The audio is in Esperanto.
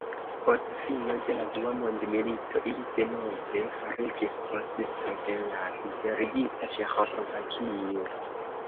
Post fino de la dua mondmilito ili denove fariĝis konsisto de la liberigita Ĉeĥoslovakio.